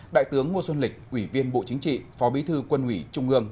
đại tướng ngô xuân lịch ủy viên bộ chính trị phó bí thư quân ủy trung ương